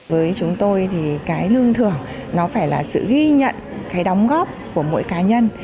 với chúng tôi thì cái lương thưởng nó phải là sự ghi nhận cái đóng góp của mỗi cá nhân